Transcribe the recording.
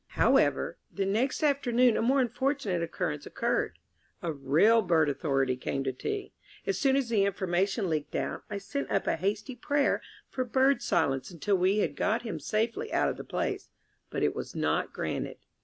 However, the next afternoon a more unfortunate occurrence occurred. A real Bird Authority came to tea. As soon as the information leaked out, I sent up a hasty prayer for bird silence until we had got him safely out of the place; but it was not granted.